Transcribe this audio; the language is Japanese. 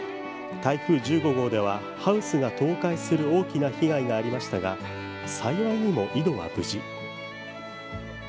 台風１５号ではハウスが倒壊する大きな被害がありましたが幸いにも井戸は無事。